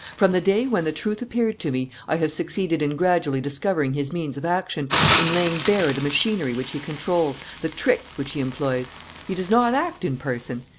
From the day when the truth appeared to me, I have succeeded in gradually discovering his means of action, in laying bare the machinery which he controls, the tricks which he employs. He does not act in person.